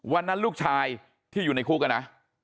วันนั้นลูกชายที่อยู่ในคุกน่ะ